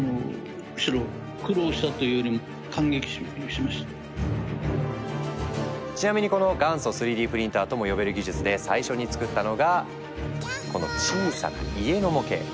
そしたらちなみにこの「元祖３Ｄプリンター」とも呼べる技術で最初に作ったのがこの小さな家の模型。